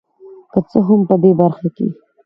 که څه هم په دې برخه کې